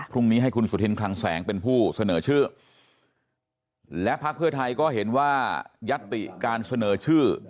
พรุ่งนี้ให้คุณสุธินคลังแสงเป็นผู้เสนอชื่อและพักเพื่อไทยก็เห็นว่ายัตติการเสนอชื่อ